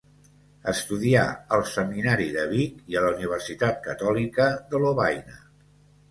Estudià al seminari de Vic i a la Universitat Catòlica de Lovaina.